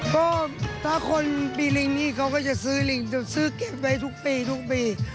ก็ถ้าคนปีลิงนี่เขาก็จะซื้อลิงจะซื้อเก็บไว้ทุกปีทุกปี